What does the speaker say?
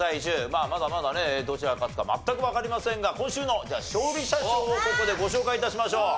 まあまだまだねどちらが勝つか全くわかりませんが今週の勝利者賞をここでご紹介致しましょう。